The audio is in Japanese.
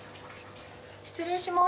失礼します。